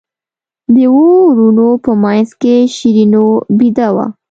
د اوو وروڼو په منځ کې شیرینو بېده وه.